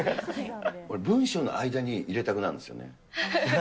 俺、文章の間に入れたくなるんですよね。